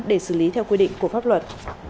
để xử lý theo quy định của pháp luật